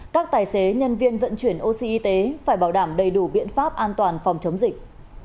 các tài xế nhân viên vận chuyển oxy y tế phải bảo đảm đầy đủ biện pháp an toàn phòng chống dịch